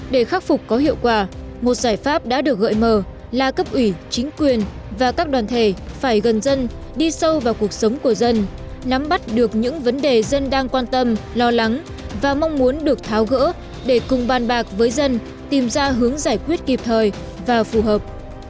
để khắc phục có hiệu quả một giải pháp đã được gợi mờ là cấp ủy chính quyền và các đoàn thể phải gần dân đi sâu vào cuộc sống của dân nắm bắt được những vấn đề dân đang quan tâm lo lắng và mong muốn được tháo gỡ để cùng bàn bạc với dân tìm ra hướng giải quyết kịp thời và phù hợp